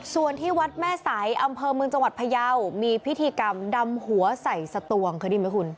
ส่วนที่วัดแม่ใสอำเภอเมืองจังหวัดพยาวมีพิธีกรรมดำหัวใส่สตวงเคยดีไหมคุณ